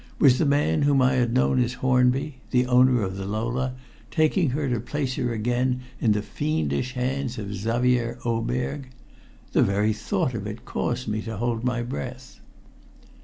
Was the man whom I had known as Hornby, the owner of the Lola, taking her to place her again in the fiendish hands of Xavier Oberg? The very thought of it caused me to hold my breath.